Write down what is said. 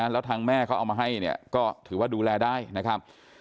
แล้วทางแม่เขาเอามาให้เนี่ยก็ถือว่าดูแลได้นะครับ